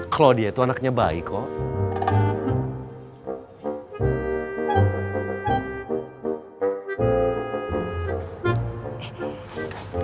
claudia itu anaknya bayi kok